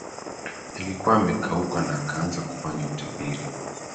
alikuwa amekauka na akaanza kufanya utabiri